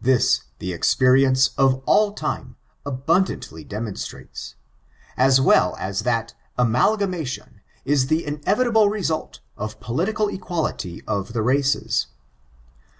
This the experience of all time abun \ dantly demonstrates, as well as that amalgaemation is the inevitable result of political equality of the races.